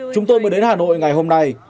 chúng tôi mới đến hà nội ngày hôm nay